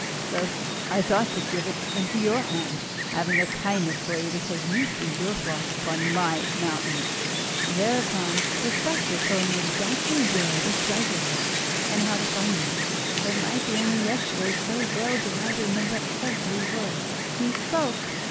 So I thought to give it into your hand, having a kindness for you because you feed your flock upon my mountain.' "Thereupon the spectre told me exactly where the treasure lay, and how to find it. It might be only yesterday so well do I remember every word he spoke.